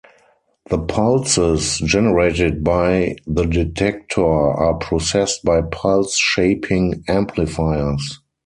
The pulses generated by the detector are processed by pulse-shaping amplifiers.